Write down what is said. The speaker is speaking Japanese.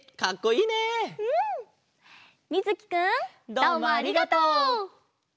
どうもありがとう！